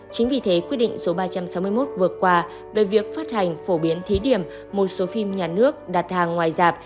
chính vì thế quyết định số ba trăm sáu mươi một vừa qua về việc phát hành phổ biến thí điểm một số phim nhà nước đặt hàng ngoài giảp